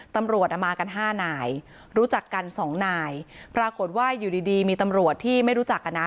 ตำรวจอ่ะมากันห้านายรู้จักกันสองนายปรากฏว่าอยู่ดีดีมีตำรวจที่ไม่รู้จักอ่ะนะ